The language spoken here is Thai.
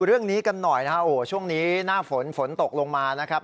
เรื่องนี้กันหน่อยช่วงนี้หน้าฝนฝนตกลงมานะครับ